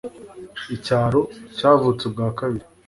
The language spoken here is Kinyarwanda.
Icyaro cyavutse ubwa kabiri